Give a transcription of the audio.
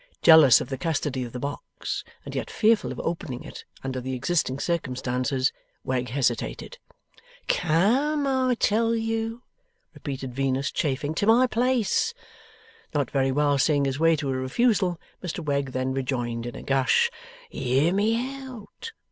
Jealous of the custody of the box, and yet fearful of opening it under the existing circumstances, Wegg hesitated. 'Come, I tell you,' repeated Venus, chafing, 'to my place.' Not very well seeing his way to a refusal, Mr Wegg then rejoined in a gush, ' Hear me out!